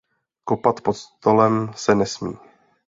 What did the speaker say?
Kopat pod stolem se nesmí.